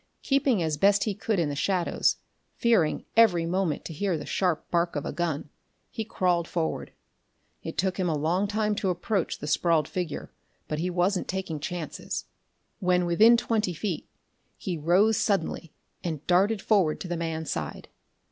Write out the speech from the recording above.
Keeping as best he could in the shadows, fearing every moment to hear the sharp bark of a gun, he crawled forward. It took him a long time to approach the sprawled figure, but he wasn't taking chances. When within twenty feet, he rose suddenly and darted forward to the man's side.